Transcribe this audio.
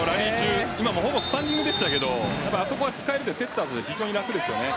今もほぼスタンディングでしたけどあそこが使えるってセッターとしては楽ですよね。